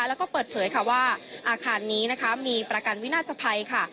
แล้วก็เปิดเผยค่ะว่าอาคารนี้นะคะมีประกันวินาศภัยค่ะ